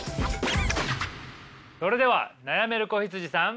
それでは悩める子羊さん。